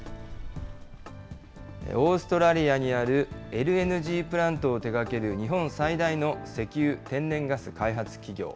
オーストラリアにあるＬＮＧプラントを手がける日本最大の石油・天然ガス開発企業。